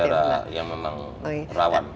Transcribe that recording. daerah yang memang rawan